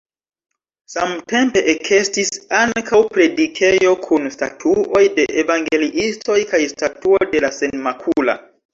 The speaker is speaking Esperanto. Samtempe ekestis ankaŭ predikejo kun statuoj de evangeliistoj kaj statuo de la Senmakula.